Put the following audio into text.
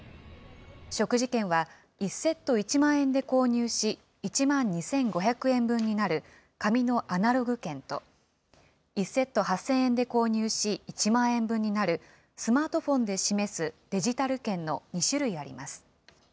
食事券は１セット１万円で購入し、１万２５００円分になる紙のアナログ券と、１セット８０００円で購入し、１万円分になるスマートフォンで示すデジタル券の２種類あります。